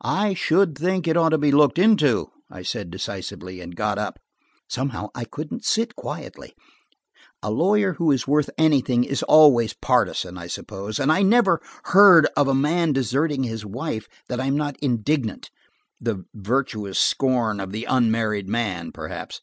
"I should think it ought to be looked into," I said decisively, and got up. Somehow I couldn't sit quietly. A lawyer who is worth anything is always a partisan, I suppose, and I never hear of a man deserting his wife that I am not indignant, the virtuous scorn of the unmarried man, perhaps.